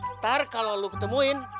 ntar kalau lo ketemuin